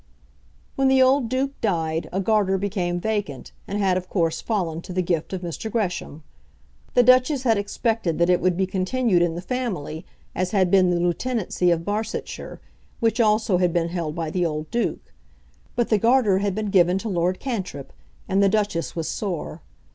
'" When the old Duke died, a Garter became vacant, and had of course fallen to the gift of Mr. Gresham. The Duchess had expected that it would be continued in the family, as had been the Lieutenancy of Barsetshire, which also had been held by the old Duke. But the Garter had been given to Lord Cantrip, and the Duchess was sore.